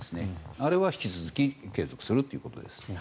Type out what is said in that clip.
あれは引き続きやるということです。